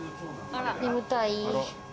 眠たい。